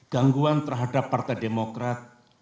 gangguan terhadap partai demokrat